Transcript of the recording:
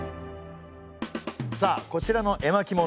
さあこちらの絵巻物